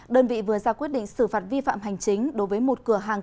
đơn vị vừa ra quyết định xử phạt vi phạm hành chính đối với một cửa hàng